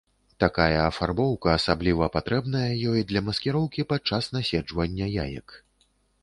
Такая афарбоўка асабліва патрэбная ёй для маскіроўкі падчас наседжвання яек.